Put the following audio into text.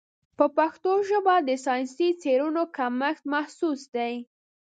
په پښتو ژبه د ساینسي څېړنو کمښت محسوس دی.